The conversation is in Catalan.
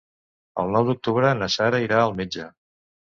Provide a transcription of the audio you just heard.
El nou d'octubre na Sara irà al metge.